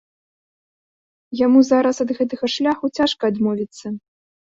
Яму зараз ад гэтага шляху цяжка адмовіцца.